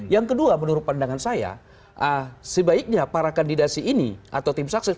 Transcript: yang kedua menurut pandangan saya sebaiknya para kandidasi ini atau tim sukses